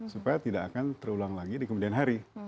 supaya tidak akan terulang lagi di kemudian hari